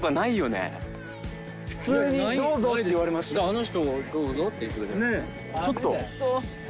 あの人「どうぞ！」って言ってくれた。